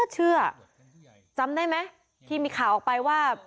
จำได้มั้ยที่มีข่าวออกไปว่า